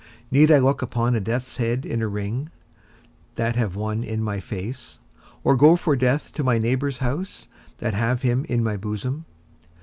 Need I look upon a death's head in a ring, that have one in my face? or go for death to my neighbour's house, that have him in my bosom?